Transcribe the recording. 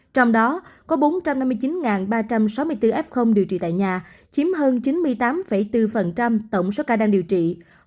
trong đó có bốn trăm năm mươi chín ba trăm sáu mươi bốn f điều trị tại nhà chiếm hơn chín mươi tám bốn tổng số ca đang điều trị